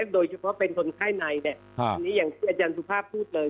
โดยเฉพาะเป็นคนไข้ในอันนี้อย่างที่อาจารย์สุภาพพูดเลย